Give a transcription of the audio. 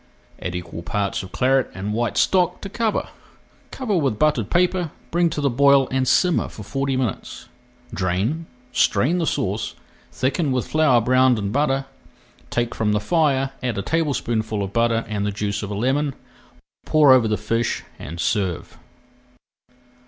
Add equal parts of Claret and white stock to cover. Cover with buttered paper, bring to the boil, and simmer for forty minutes. Drain, strain the sauce, thicken with flour browned in butter, take from the fire, add a tablespoonful of butter and the juice of a lemon, pour over the fish and serve.